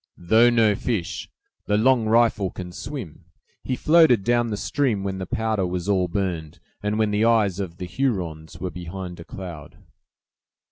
"Though no fish, 'The Long Rifle' can swim. He floated down the stream when the powder was all burned, and when the eyes of the Hurons were behind a cloud."